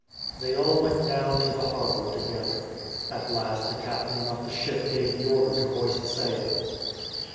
They all went down to the harbour together. At last the captain of the ship gave the order to hoist sail.